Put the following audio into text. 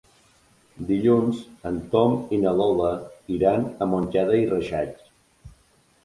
Dilluns en Tom i na Lola iran a Montcada i Reixac.